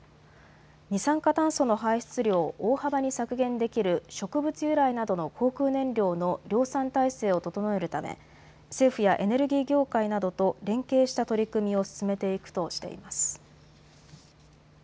二酸化炭素の排出量を大幅に削減できる植物由来などの航空燃料の量産体制を整えるため政府やエネルギー業界などと連携した取り組みを進めていくとしています。